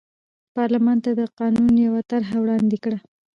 پارلمان ته د قانون یوه طرحه وړاندې کړه.